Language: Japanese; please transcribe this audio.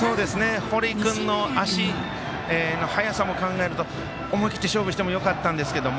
堀君の足の速さも考えると思い切って勝負してもよかったんですけど。